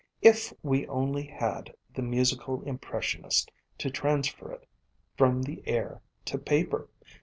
If we only had the musical impressionist to transfer it from the air to paper!